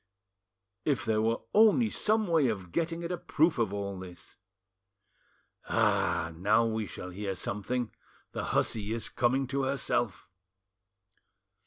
If there were only some way of getting at a proof of all this! Ah! now we shall hear something; the hussy is coming to herself."